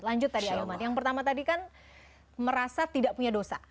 lanjut tadi ahilman yang pertama tadi kan merasa tidak punya dosa